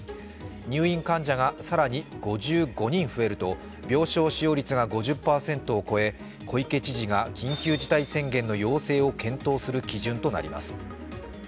入院患者が更に５５人増えると病床使用率が５０％を超え小池知事が緊急事態宣言の要請を検討する基準となります。